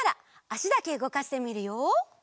あしだけうごかしてみるよ。